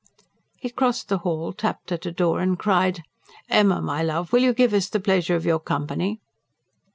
He crossed the hall, tapped at a door and cried: "Emma, my love, will you give us the pleasure of your company?"